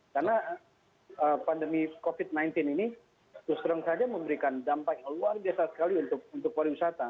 karena pandemi covid sembilan belas ini tersebut saja memberikan dampak yang luar biasa sekali untuk wariwisata